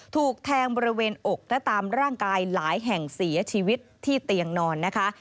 ถูกแทงบริเวณอกและตามร่างกายหลายแห่งเสียชีวิตที่เตียงนอนนะคะ